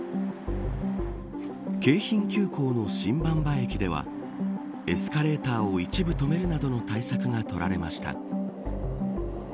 京浜急行の新馬場駅ではエスカレーターを一部止めるなどの対策が取られました。